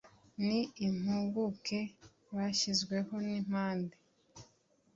n impuguke bashyizweho n impande